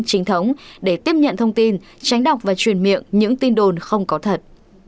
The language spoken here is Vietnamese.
chính thống để tiếp nhận thông tin tránh đọc và truyền miệng những tin đồn không có thật